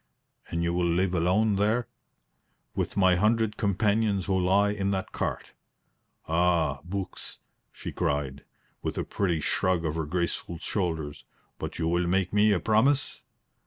"And you will live alone there?" "With my hundred companions who lie in that cart." "Ah, books!" she cried, with a pretty shrug of her graceful shoulders. "But you will make me a promise?"